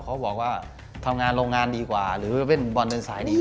เขาบอกว่าทำงานโรงงานดีกว่าหรือเล่นบอลเดินสายดีกว่า